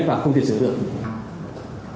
và không thể sửa được